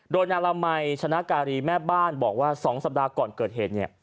โดยนาลมัยชนะการีแม่บ้านบอกว่า๒สัปดาห์ก่อนเกิดเหตุเนี่ย